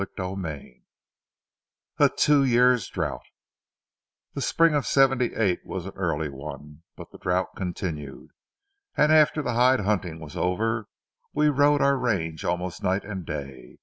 CHAPTER XIV A TWO YEARS' DROUTH The spring of '78 was an early one, but the drouth continued, and after the hide hunting was over we rode our range almost night and day.